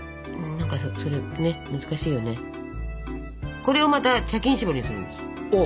これをまた茶巾絞りにするんです。